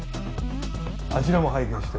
あちらも拝見しても？